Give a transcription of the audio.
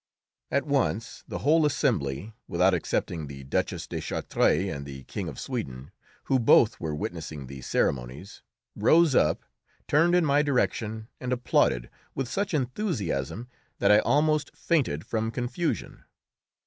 At once the whole assembly, without excepting the Duchess de Chartres and the King of Sweden who both were witnessing the ceremonies rose up, turned in my direction, and applauded with such enthusiasm that I almost fainted from confusion.